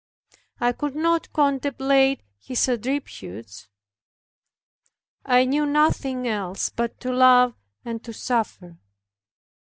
I could not contemplate His attributes. I knew nothing else, but to love and to suffer.